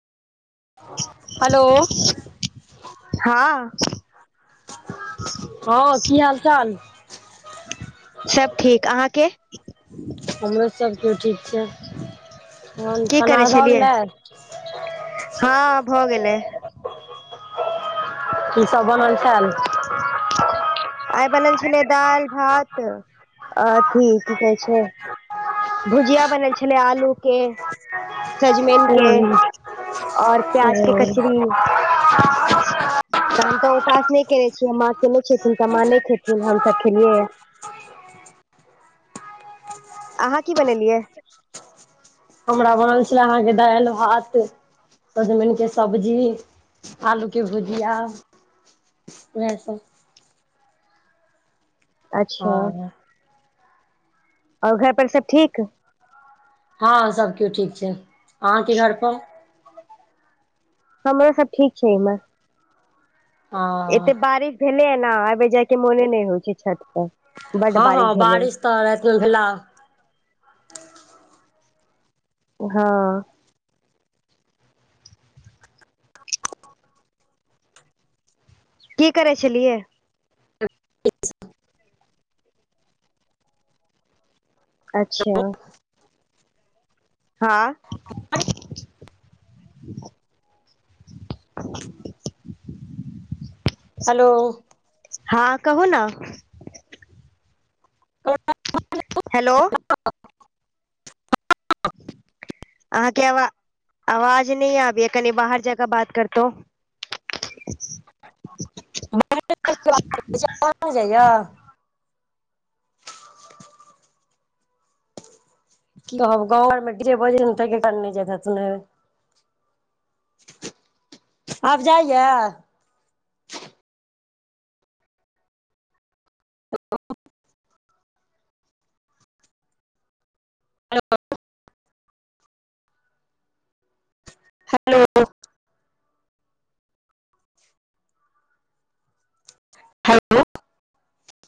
हलो हँ हँ की हाल चाल सभ ठीक अहाँके हमरो सब केओ ठीक छै तहन की खाना करै आर भऽ छलियै गेलै हँ भऽ गेलै की सब बनल छैल आइ बनेल छेलियै दालि भात अथी की कहै छै भुजिया बनल छेलै आलू के सजमैन ओ के और प्याज के कचरी तऽ हम तऽ ऊपास नहि केने छियै माँ केने छथिन तऽ माँ नहि खेथिन हम सब खेलियै ये अहाँ की बनेलियै [inaudible] हमरा बनल छेलै अहाँके दालि भात सजमैन के सब्जी आलू के भुजिया उहे सब अच्छा हँ आओर घर पर सब ठीक हँ सब केओ ठीक छै अहाँके घर पर हमरो सब ठीक छै हँ इम्हर एते बारिश भेलैये न आबे जाय के मोने नहि होइ छै छत पर बड हँ हँ भेलै बारिश तऽ राति मे भेला हँ की करै छेलियै [inaudible] अच्छा [inaudible] हँ [inaudible] हलो हँ कहू न [inaudible] हेलो आहा के हवा आवाज नय आबैय कनि बाहर जाकऽ बात करतौ जाइए [inaudible] गाँव आरमे डीजे बजे तनेे [inaudible] [unintelligible] आब जाइया ह [inaudible] हेलो [unintelligible] हेलो